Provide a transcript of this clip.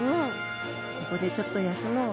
ここでちょっと休もう。